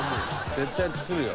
「絶対作るよ」